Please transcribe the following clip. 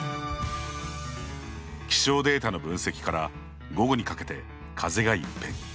気象データの分析から午後にかけて風が一変。